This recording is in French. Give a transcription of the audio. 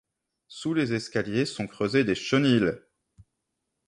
Sous les escaliers sont creusés des chenils.